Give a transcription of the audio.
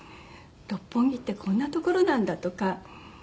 「六本木ってこんな所なんだ」とか。